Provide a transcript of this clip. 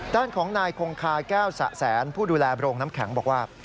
ด้านของนายคงคาแก้วสะแสนผู้ดูแลโรงน้ำแข็งบอกว่า